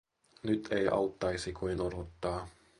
Nyt ei auttaisi kuin odottaa.